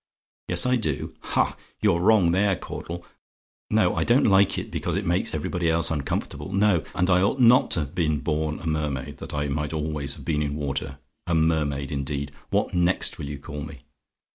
"YES, I DO? "Ha! you're wrong there, Mr. Caudle. No; I don't like it because it makes everybody else uncomfortable. No; and I ought not to have been born a mermaid, that I might always have been in water. A mermaid, indeed! What next will you call me?